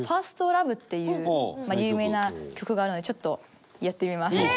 『ＦｉｒｓｔＬｏｖｅ』っていう有名な曲があるのでちょっとやってみます。